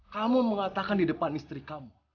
kamu mengatakan di depan istri kamu